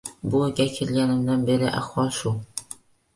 Bu uyga kelg‘animdan beri ahvol shu